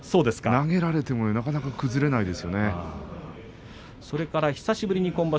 投げられてもなかなか崩れませんね。